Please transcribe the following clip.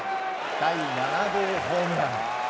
第７号ホームラン。